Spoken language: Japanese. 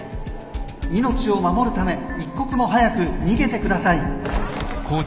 命を守るため一刻も早く逃げてください」。